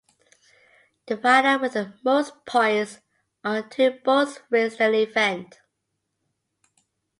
The rider with the most points on two bulls wins the event.